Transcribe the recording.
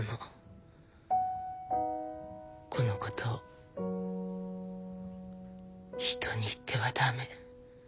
このことを人に言ってはダメ。